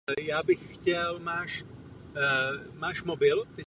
Reyes.